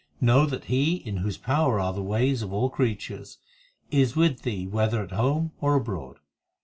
Know that He in whose power are the ways of all creatures, Is with thee whether at home or abroad.